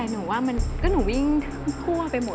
มันใหญ่มากแต่หนูวิ่งทั่วไปหมด